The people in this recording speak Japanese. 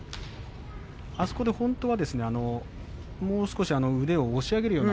あそこで本当はもう少し腕を押し上げるような。